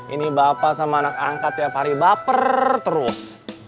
ini bapak sama anak angkat tiap hari baper terus